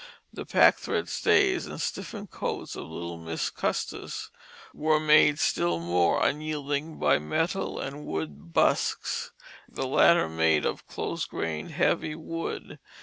The packthread stays and stiffened coats of "little Miss Custis" were made still more unyielding by metal and wood busks; the latter made of close grained heavy wood.